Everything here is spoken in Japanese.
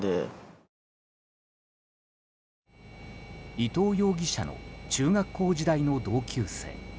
伊藤容疑者の中学校時代の同級生。